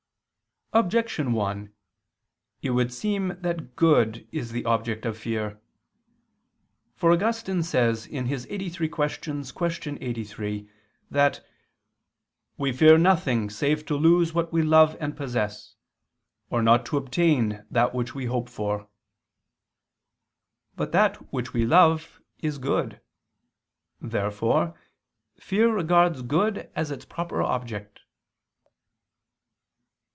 Objection 1: It would seem that good is the object of fear. For Augustine says (QQ. 83, qu. 83) that "we fear nothing save to lose what we love and possess, or not to obtain that which we hope for." But that which we love is good. Therefore fear regards good as its proper object.